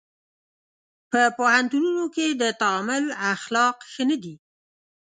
په پوهنتونونو کې د تعامل اخلاق ښه نه دي.